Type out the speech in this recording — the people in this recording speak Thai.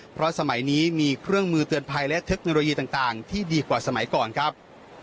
เพราะสมัยนี้มีเครื่องมือเตือนภัยและเทคโนโลยีต่างที่ดีกว่าสมัยก่อนครับ